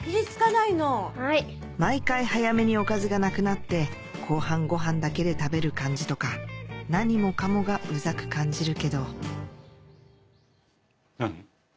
毎回早めにおかずがなくなって後半ご飯だけで食べる感じとか何もかもがウザく感じるけど何？